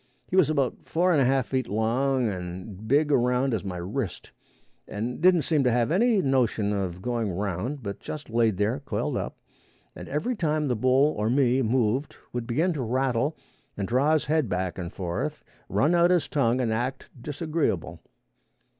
He was about four and a half feet long and big around as my wrist, and didn't seem to have any notion of going around, but just laid there coiled up, and every time the bull or me moved, would begin to rattle and draw his head back and forth, run out his tongue and act disagreeable.